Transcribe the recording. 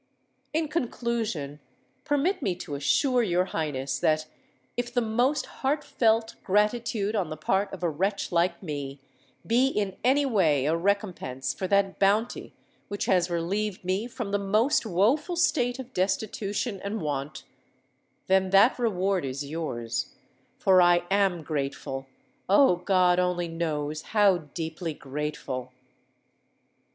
In conclusion, permit me to assure your Highness that if the most heart felt gratitude on the part of a wretch like me, be in any way a recompense for that bounty which has relieved me from the most woeful state of destitution and want,—then that reward is yours—for I am grateful—oh! God only knows how deeply grateful!"